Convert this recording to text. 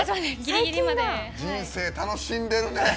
人生、楽しんでるね！